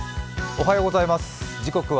おはようございます